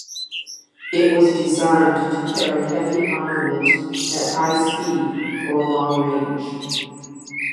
It was designed to carry heavy armament at high speed or long range.